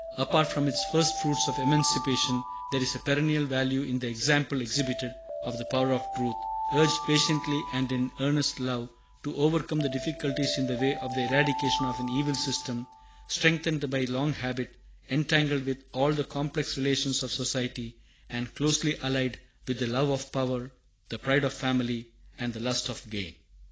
Apart from its first fruits of emancipation, there is a perennial value in the example exhibited of the power of truth, urged patiently and in earnest love, to overcome the difficulties in the way of the eradication of an evil system, strengthened by long habit, entangled with all the complex relations of society, and closely allied with the love of power, the pride of family, and the lust of gain.